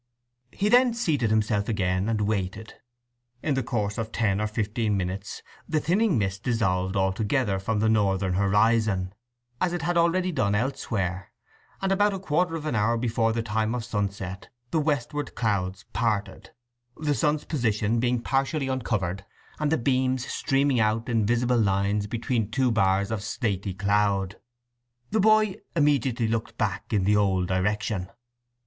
He then seated himself again, and waited. In the course of ten or fifteen minutes the thinning mist dissolved altogether from the northern horizon, as it had already done elsewhere, and about a quarter of an hour before the time of sunset the westward clouds parted, the sun's position being partially uncovered, and the beams streaming out in visible lines between two bars of slaty cloud. The boy immediately looked back in the old direction.